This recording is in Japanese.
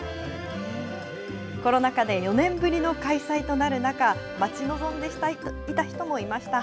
コロナ禍で４年ぶりの開催となる中、待ち望んでいた人もいました。